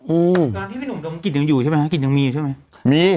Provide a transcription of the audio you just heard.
ตอนที่พี่หนุ่มดมกลิ่นยังอยู่ใช่ไหมฮะกลิ่นยังมีอยู่ใช่ไหมมี